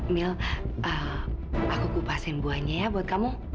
mil aku kupasin buahnya ya buat kamu